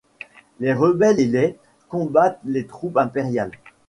Les rebelles et les combattent les troupes impériales.